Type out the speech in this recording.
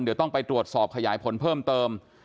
เดี๋ยวต้องไปตรวจสอบขยายผลเพิ่มเติม